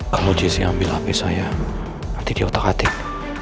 kalau jesse ambil hp saya nanti dia otak atik